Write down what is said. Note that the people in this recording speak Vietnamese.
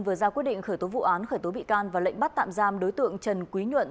vừa ra quyết định khởi tố vụ án khởi tố bị can và lệnh bắt tạm giam đối tượng trần quý nhuận